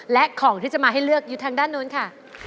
และของที่จะมาให้เลือกอยู่ทางด้านนู้นค่ะ